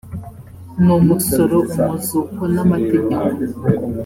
n umusoro umuzuko n amategeko